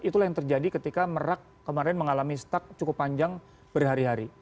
itu akan terjadi ketika merak kemarin mengalami stak cukup panjang berhari hari